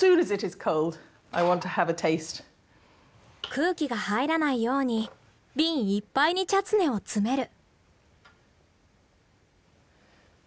空気が入らないように瓶いっぱいにチャツネを詰める。